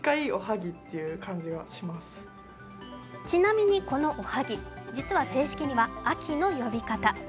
ちなみに、このおはぎ、実は正式には秋の呼び方。